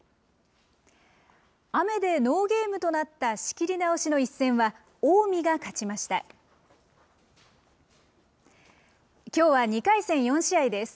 雨でノーゲームとなった仕切り直しの一戦は、近江が勝ちました。